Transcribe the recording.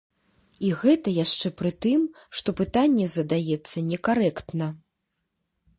І гэта яшчэ пры тым, што пытанне задаецца некарэктна.